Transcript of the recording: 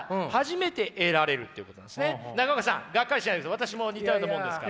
私も似たようなもんですから。